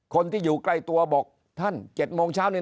คนที่อยู่ใกล้ตัวบอกท่าน๗โมงเช้านี้